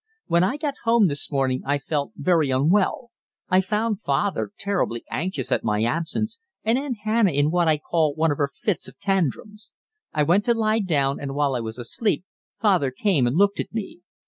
When I got home this morning I felt very unwell. I found father terribly anxious at my absence, and Aunt Hannah in what I call one of her fits of tantrums. I went to lie down, and, while I was asleep, father came and looked at me.